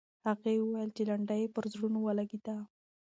هغې وویل چې لنډۍ یې پر زړونو ولګېده.